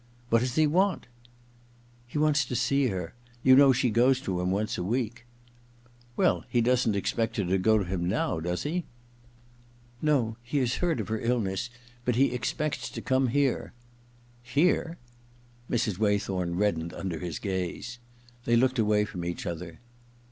•What does he want ?'* He wants to see her. You know she goes to him once a week.' 46 THE OTHER TWO i * Well — he doesn't expect her to go to him now, does he ?No— he has heard of her illness ; but he expects to come here/ 'Here?' Mrs. Waythorn reddened under his gaze. They looked away from each other.